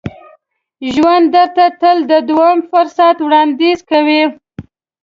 ژوند درته تل د دوهم فرصت وړاندیز کوي.